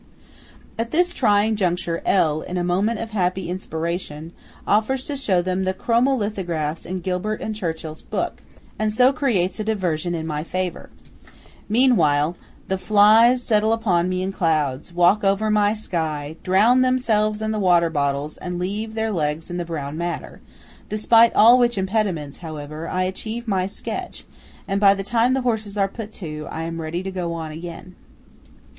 At this trying juncture, L., in a moment of happy inspiration, offers to show them the chromo lithographs in Gilbert and Churchill's book, and so creates a diversion in my favour. Meanwhile the flies settle upon me in clouds, walk over my sky, drown themselves in the water bottles, and leave their legs in the brown madder; despite all which impediments, however, I achieve my sketch, and by the time the horses are put to, am ready to go on again.